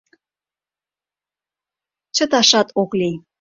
— Чыташат ок лий.